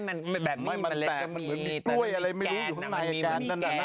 ไม่มันแบบนี้มันมีเมล็ดมีแต่มีแกน